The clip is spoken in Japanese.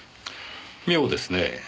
妙ですねぇ。